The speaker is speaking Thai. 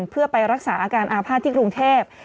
เพื่อไปรักษาอาการอาภาษณ์ที่กรุงเทพ